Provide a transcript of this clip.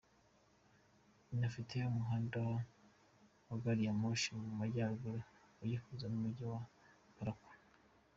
Inafite umuhanda wa gari ya moshi mu majyaruguru uyihuza n’Umujyi wa Parakou.